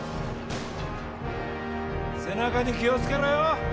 背中に気を付けろよ！